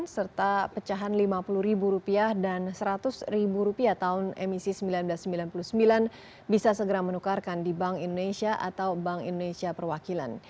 serta pecahan rp lima puluh dan rp seratus tahun emisi seribu sembilan ratus sembilan puluh sembilan bisa segera menukarkan di bank indonesia atau bank indonesia perwakilan